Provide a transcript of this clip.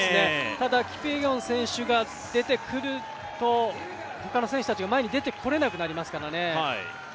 ただキプイエゴン選手が出てくると他の選手たちが前に出てくれなくなりますからね。